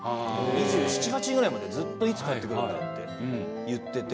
２７２８ぐらいまでずっと「いつ帰ってくるんだ」って言ってて。